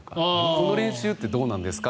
この練習ってどうなんですか？